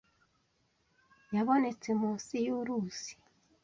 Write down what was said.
Yabonetse munsi yuruzi.